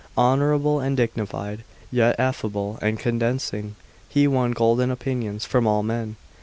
Honourable and dignified, yet affable and condescending, he won golden opinions from all men.